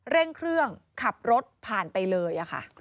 เร่งเครื่องขับรถผ่านไปเลยค่ะ